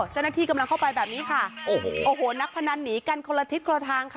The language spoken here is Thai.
เจ้าหน้าที่กำลังเข้าไปแบบนี้ค่ะโอ้โหโอ้โหนักพนันหนีกันคนละทิศคนละทางค่ะ